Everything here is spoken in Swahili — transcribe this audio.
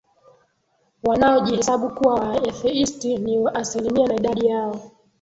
wanaojihesabu kuwa Waatheisti ni asilimia na idadi yao